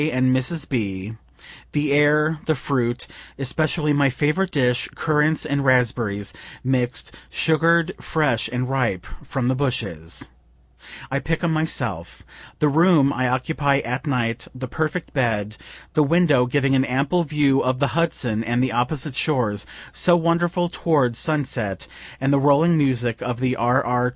and Mrs. B., the air, the fruit, (especially my favorite dish, currants and raspberries, mixed, sugar'd, fresh and ripe from the bushes I pick 'em myself) the room I occupy at night, the perfect bed, the window giving an ample view of the Hudson and the opposite shores, so wonderful toward sunset, and the rolling music of the RR.